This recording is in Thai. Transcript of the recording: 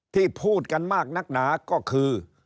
ที่พูดกันมากนักหนาก็คือ